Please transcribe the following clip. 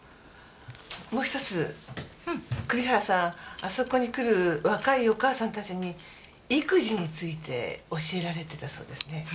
もう１つ栗原さんあそこに来る若いお母さんたちに育児について教えられてたそうですね。